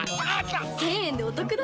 １０００円でおトクだ